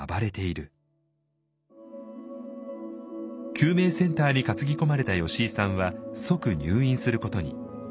救命センターに担ぎ込まれた吉井さんは即入院することに。